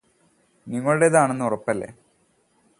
നിങ്ങളുടേതാണെന്ന് ഉറപ്പല്ലേ